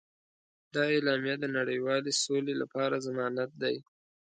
دا اعلامیه د نړیوالې سولې لپاره ضمانت دی.